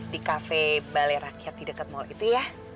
di cafe balai rakyat di dekat mall itu ya